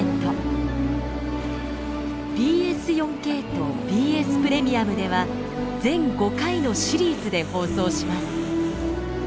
ＢＳ４ＫとＢＳプレミアムでは全５回のシリーズで放送します。